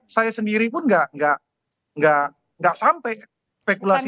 saya sendiri pun nggak sampai spekulasi